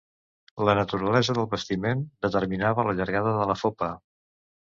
La naturalesa del vestiment determinava la llargada de la fopa.